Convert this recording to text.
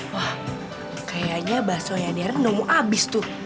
wah kayaknya baksonya darren nomo abis tuh